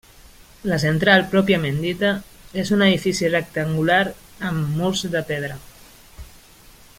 La central pròpiament dita és un edifici rectangular amb murs de pedra.